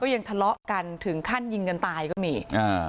ยังทะเลาะกันถึงขั้นยิงกันตายก็มีอ่า